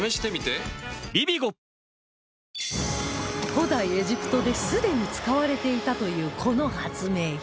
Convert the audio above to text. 古代エジプトですでに使われていたというこの発明品